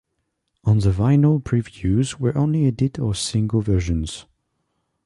On the vinyl previews were only edit or single versions.